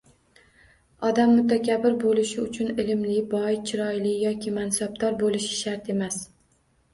Odam mutakabbir bo‘lishi uchun ilmli, boy, chiroyli yoki mansabdor bo‘lishi shart emas.